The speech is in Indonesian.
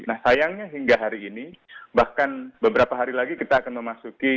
nah sayangnya hingga hari ini bahkan beberapa hari lagi kita akan memasuki lima bulan setelah peristiwa ini